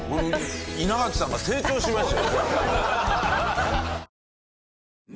稲垣さんが成長しましたよね。